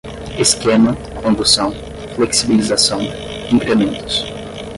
esquema, condução, flexibilização, incrementos